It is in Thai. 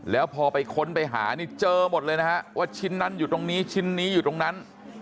แล้วพอไปค้นไปหานี่เจอหมดเลยนะฮะว่าชิ้นนั้นอยู่ตรงนี้ชิ้นนี้อยู่ตรงนั้น